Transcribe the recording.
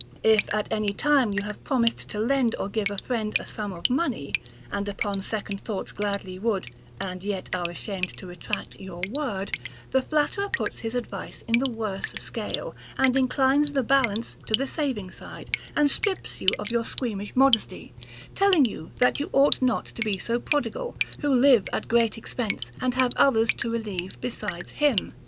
If at any time you have promised to lend or give a friend a sum of money, and upon second thoughts gladly would, and yet are ashamed to retract your word, the flatterer puis his 130 HOW TO KNOW A FLATTERER advice in the worse scale, and inclines the balance to the saving side, and strips you of your squeamish modesty, telling you that you ought not to be so prodigal, who live at great expense and have others to relieve besides him.